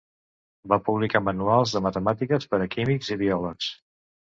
Va publicar manuals de matemàtiques per a químics i biòlegs.